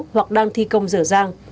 hoặc đang thi công rở ràng